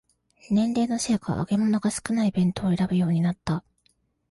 年齢のせいか揚げ物が少ない弁当を選ぶようになった